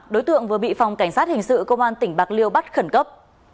đối tượng vừa bị phòng cảnh sát hình sự công an tỉnh bạc liêu bắt khẩn cấp